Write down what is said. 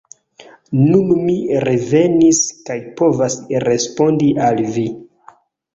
Nun mi revenis kaj povas respondi al vi.